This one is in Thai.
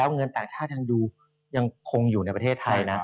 เงินต่างชาติยังดูยังคงอยู่ในประเทศไทยนะ